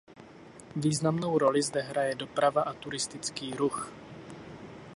Významnou roli zde hraje doprava a turistický ruch.